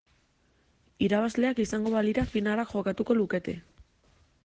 Irabazleak izango balira finala jokatuko lukete.